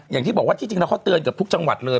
อย่างที่บอกว่าที่จริงเราก็เตือนกับทุกจังหวัดเลย